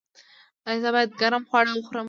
ایا زه باید ګرم خواړه وخورم؟